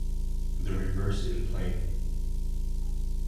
The reverse in plain.